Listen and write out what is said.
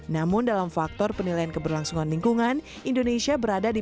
namun dalam faktor penilaian keberlangsungan lingkungan indonesia berpengaruh